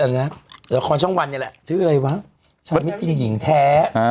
อันนี้ดวงคลอนช่องวันนี่แหละชื่ออะไรวะใช่ไหมถึงหญิงแท้